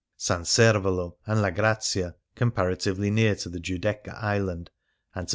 S. Servolo and La Grazia, comparatively near to the Giudecca island and to S.